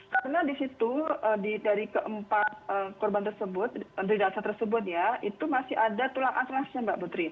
karena di situ dari keempat korban tersebut dari dasar tersebut ya itu masih ada tulang atlasnya mbak putri